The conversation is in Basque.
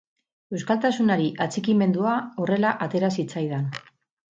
Euskaltasunari atxikimendua horrela atera zitzaidan.